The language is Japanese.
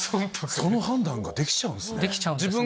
その判断ができちゃうんすね。